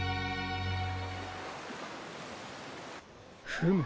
フム。